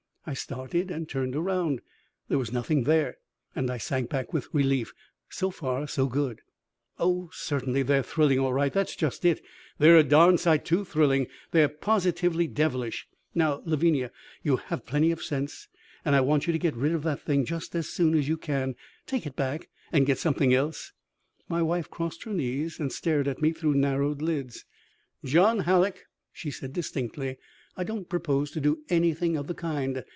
I started and turned around. There was nothing there, and I sank back with relief. So far so good. "Oh, certainly, they're thrilling all right. That's just it, they're a darn sight too thrilling. They're positively devilish. Now, Lavinia, you have plenty of sense, and I want you to get rid of that thing just as soon as you can. Take it back and get something else." My wife crossed her knees and stared at me through narrowed lids. "John Hallock," she said distinctly. "I don't propose to do anything of the kind.